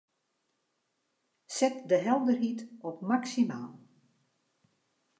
Set de helderheid op maksimaal.